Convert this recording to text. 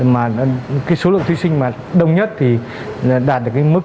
mà cái số lượng thí sinh mà đông nhất thì đạt được cái mức